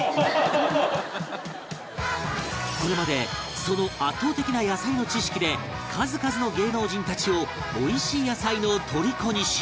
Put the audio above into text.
これまでその圧倒的な野菜の知識で数々の芸能人たちをおいしい野菜のとりこにし